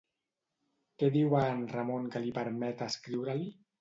Què diu a en Ramon que li permet escriure-li?